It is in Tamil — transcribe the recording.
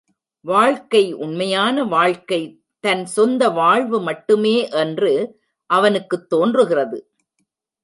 வாழ்க்கை உண்மையான வாழ்க்கை, தன் சொந்த வாழ்வு மட்டுமே என்று அவனுக்குத் தோன்றுகிறது.